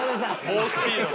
猛スピードで。